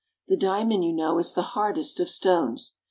The diamond, you know, is the hardest of stones.